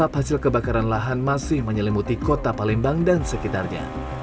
perjalanan lahan masih menyelimuti kota palembang dan sekitarnya